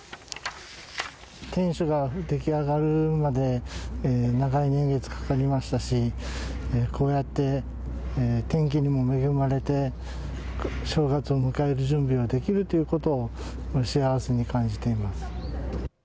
天守が出来上がるまで長い年月かかりましたし、こうやって天気にも恵まれて、正月を迎える準備ができるということを、幸せに感じています。